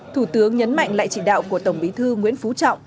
thủ tướng nhấn mạnh lại chỉ đạo của tổng bí thư nguyễn phú trọng